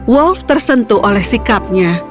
wolf tersentuh oleh sikapnya